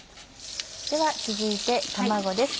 では続いて卵です